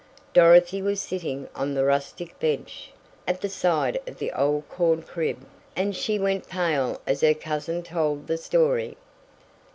Dorothy was sitting on the rustic bench, at the side of the old corn crib, and she went pale as her cousin told the story.